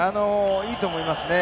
いいと思いますね。